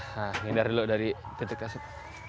hindar dulu dari titik asap